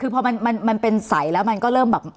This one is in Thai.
คือพอมันเป็นใสแล้วมันก็เริ่มแบบ